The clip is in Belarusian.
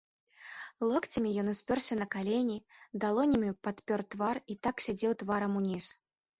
Локцямі ён успёрся на калені, далонямі падпёр твар і так сядзеў тварам уніз.